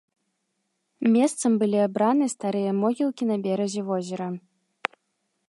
Месцам былі абраны старыя могілкі на беразе возера.